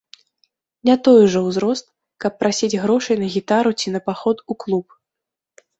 Не той ужо ўзрост, каб прасіць грошай на гітару ці на паход у клуб.